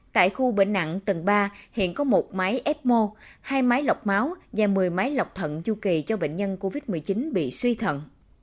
tại khu bệnh nặng tầng ba hiện có một máy ép mô hai máy lọc máu và một mươi máy lọc thận du kỳ cho bệnh nhân covid một mươi chín bị suy thận